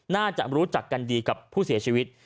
น่าจะรู้จักกันดีกับผู้เสียชีวิต